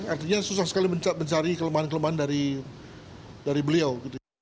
artinya susah sekali mencari kelemahan kelemahan dari beliau